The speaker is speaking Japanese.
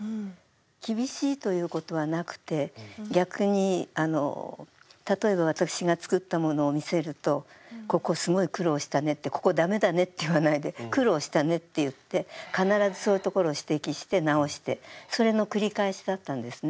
厳しいということはなくて逆に例えば私が作ったものを見せると「ここすごい苦労したね」って「ここダメだね」って言わないで「苦労したね」って言って必ずそういうところを指摘して直してそれの繰り返しだったんですね。